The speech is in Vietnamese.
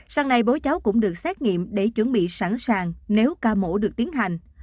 sáng nay bố cháu cũng được xét nghiệm để chuẩn bị sẵn sàng nếu ca mổ được tiến hành